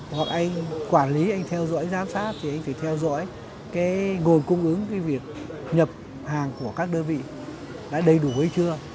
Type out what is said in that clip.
hoặc anh quản lý theo dõi giám sát thì anh phải theo dõi nguồn cung ứng nhập hàng của các đơn vị đã đầy đủ hay chưa